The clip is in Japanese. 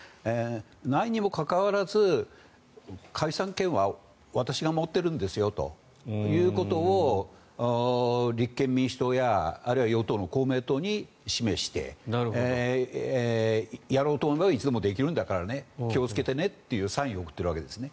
ないにもかかわらず解散権は私が持っているんですよということを立憲民主党やあるいは与党の公明党に示してやろうと思えばいつでもできるんだからね気をつけてねというサインを送っているわけです。